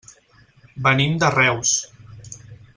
Venim de Reus.